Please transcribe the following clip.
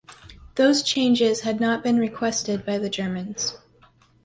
Those changes had not been requested by the Germans.